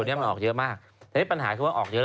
ปลาหมึกแท้เต่าทองอร่อยทั้งชนิดเส้นบดเต็มตัว